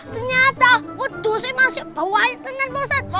ternyata udhuse masih berwain dengan ustadz